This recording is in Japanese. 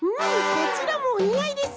こちらもおにあいです！